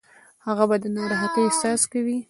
هغه به د ناراحتۍ احساس کوي.